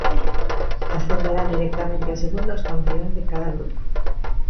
Ascenderán directamente a Segunda os campións de cada grupo.